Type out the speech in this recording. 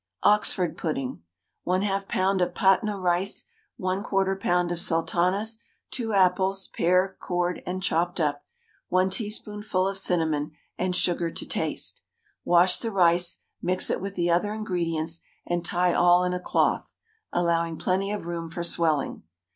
OXFORD PUDDING. 1/2 lb. of Patna rice, 1/4 lb. of sultanas, 2 apples, pared, cored, and chopped up, 1 teaspoonful of cinnamon, and sugar to taste. Wash the rice, mix it with the other ingredients, and tie all in a cloth, allowing plenty of room for swelling.